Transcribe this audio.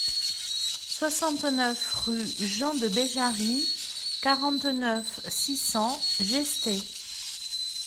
soixante-neuf rue Jean de Béjarry, quarante-neuf, six cents, Gesté